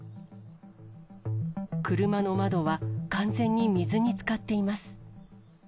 車の窓は完全に水につかっています。